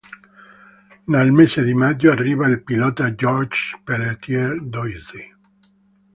Nel mese di maggio arriva il pilota Georges Pelletier-Doisy.